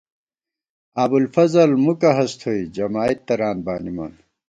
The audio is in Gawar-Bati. ابُوالفضل مُکہ ہست تھوئی جمائید تران بانِمان